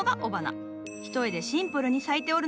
一重でシンプルに咲いておるのが雌花。